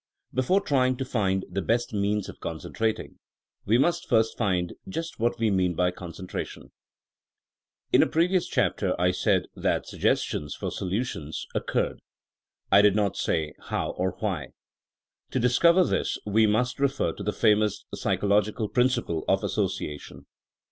Before trying to find the best means of concentrating, we must first find just what we mean by concentration* In a previous chapter I said that suggestions for solutions occurred/^ I did not say how or why. To discover this we must refer to the famous psychological principle of association.